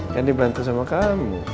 kan dibantu sama kamu